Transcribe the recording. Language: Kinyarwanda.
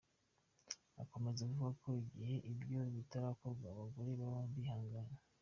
Akomeza avuga ko igihe ibyo bitarakorwa abagore baba bihanganye.